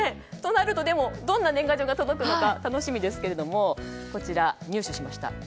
そうなるとどんな年賀状が届くのか楽しみですけども入手しました。